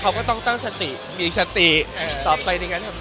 เขาก็ต้องตั้งสติมีสติต่อไปในการทำ